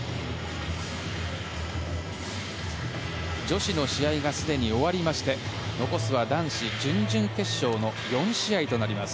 女子の試合がすでに終わりまして残すは男子準々決勝の４試合となります。